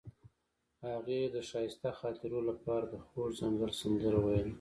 هغې د ښایسته خاطرو لپاره د خوږ ځنګل سندره ویله.